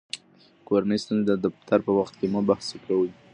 کورني ستونزې د دفتر په وخت کې مه بحث کړئ.